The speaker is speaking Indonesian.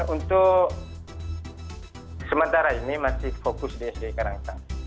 untuk sementara ini masih fokus di sd karangsang